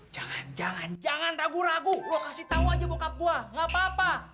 jangan jangan jangan ragu ragu lo kasih tau aja bokap gue gak apa apa